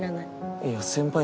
いや先輩に。